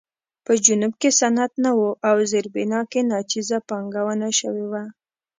په جنوب کې صنعت نه و او زیربنا کې ناچیزه پانګونه شوې وه.